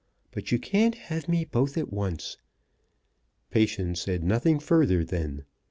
But you can't have me both at once." Patience said nothing further then.